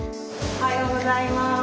おはようございます。